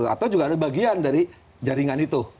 atau juga ada bagian dari jaringan itu